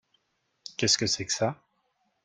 Qu’est que c’est que ça ?